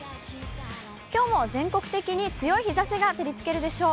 きょうも全国的に強い日ざしが照りつけるでしょう。